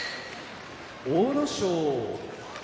阿武咲